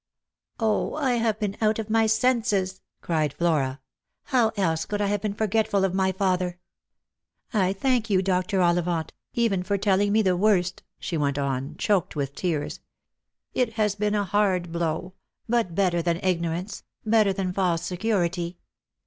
" 0, 1 have been out of my senses," cried Flora ;" how else could I have been forgetful of my father ! I thank you, Dr. Ollivant, even for telling me the worst," she went on, choked with tears. " It has been a hard blow ; but better than ignor ance — better than false security.